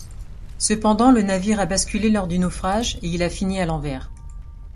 Cependant, le navire a basculé lors du naufrage et il a fini à l'envers.